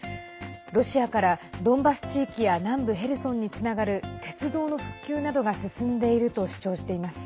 ロシアから、ドンバス地域や南部ヘルソンにつながる鉄道の復旧などが進んでいると主張しています。